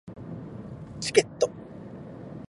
チケット